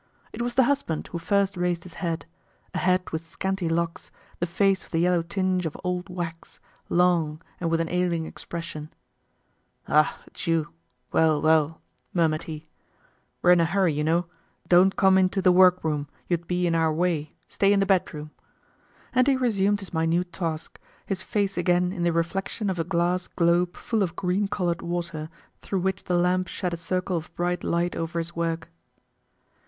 It was the husband who first raised his head—a head with scanty locks, the face of the yellow tinge of old wax, long, and with an ailing expression. "Ah! it's you; well, well!" murmured he. "We're in a hurry you know. Don't come into the work room, you'd be in our way. Stay in the bedroom." And he resumed his minute task, his face again in the reflection of a glass globe full of green colored water, through which the lamp shed a circle of bright light over his work.